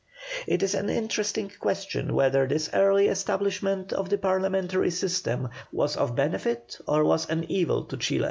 It is an interesting question whether this early establishment of the Parliamentary system was of benefit or was an evil to Chile.